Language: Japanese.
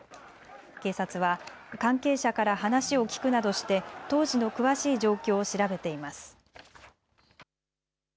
警察は関係者から話を聞くなどして当時の詳しい状況を調べています。